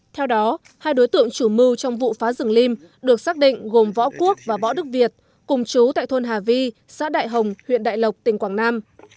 theo đó hai đối tượng chủ mưu trong vụ phá rừng lim được xác định gồm võ quốc và võ đức việt cùng chú tại thôn hà vi xã đại hồng huyện đại lộc tỉnh quảng nam